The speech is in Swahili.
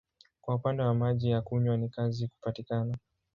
Kwa upande wa maji ya kunywa ni kazi kupatikana.